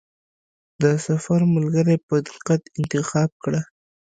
د سفر ملګری په دقت انتخاب کړه.